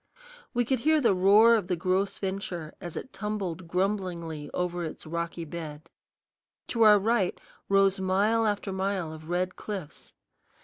We could hear the roar of the Gros Ventre as it tumbled grumblingly over its rocky bed. To our right rose mile after mile of red cliffs.